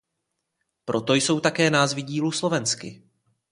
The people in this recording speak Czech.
Proto jsou také názvy dílů slovensky.